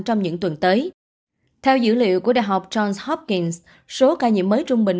trong những tuần tới theo dữ liệu của đại học johns hopkings số ca nhiễm mới trung bình